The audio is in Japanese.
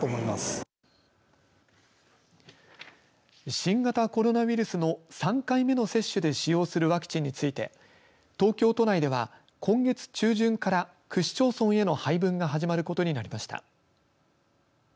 新型コロナウイルスの３回目の接種で使用するワクチンについて東京都内では、今月中旬から区市町村への配分が始まることになりました。